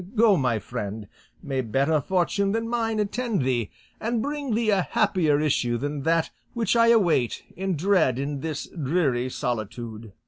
Go, my friend, may better fortune than mine attend thee, and bring thee a happier issue than that which I await in dread in this dreary solitude."